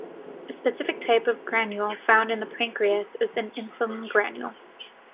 A specific type of granule found in the pancreas is an insulin granule.